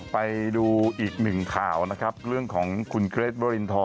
ไปดูอีกหนึ่งข่าวนะครับเรื่องของคุณเกรทวรินทร